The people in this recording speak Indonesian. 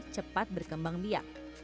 cepat berkembang biak